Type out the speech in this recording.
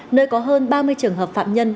nơi có hơn ba mươi trường hợp phạm nhân